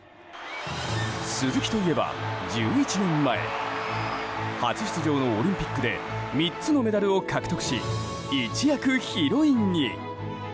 鈴木といえば１１年前初出場のオリンピックで３つのメダルを獲得し一躍ヒロインに。